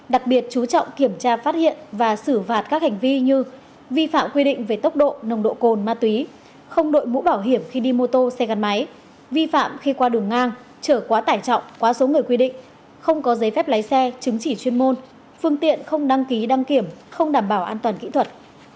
đặc biệt chú trọng kiểm tra phát hiện và xử vạt các hành vi như vi phạm quy định về tốc độ nồng độ cồn ma túy không đội mũ bảo hiểm khi đi mô tô xe gắn máy vi phạm khi qua đường ngang trở quá tải trọng quá số người quy định không có giấy phép lái xe chứng chỉ chuyên môn phương tiện không đăng ký đăng kiểm không đảm bảo an toàn kỹ thuật